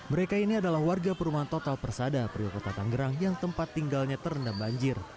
mereka ini adalah warga perumahan total persada priokota tanggerang yang tempat tinggalnya terendam banjir